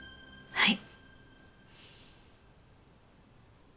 はい。